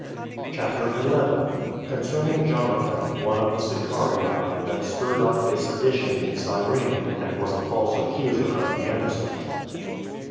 CHAPTER 11. Concerning Jonathan, One Of The Sicarii, That Stirred Up A Sedition In Cyrene, And Was A False Accuser [Of The Innocent].